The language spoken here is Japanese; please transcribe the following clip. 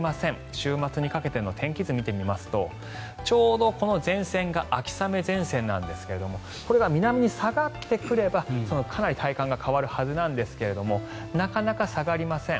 週末にかけての天気図を見てみますとちょうどこの前線が秋雨前線なんですがこれが南に下がってくればかなり体感が変わるはずなんですがなかなか下がりません。